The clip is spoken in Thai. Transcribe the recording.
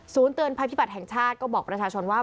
เตือนภัยพิบัติแห่งชาติก็บอกประชาชนว่า